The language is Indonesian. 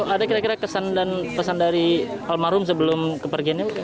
ada kira kira kesan dan pesan dari almarhum sebelum kepergiannya